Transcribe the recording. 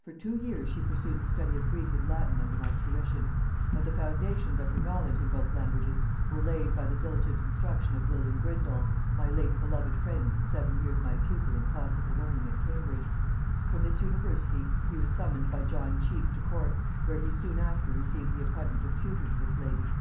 "For two years she pursued the study of Greek and Latin under my tuition; but the foundations of her knowledge in both languages were laid by the diligent instruction of William Grindal, my late beloved friend and seven years my pupil in classical learning at Cambridge. From this university he was summoned by John Cheke to court, where he soon after received the appointment of tutor to this lady.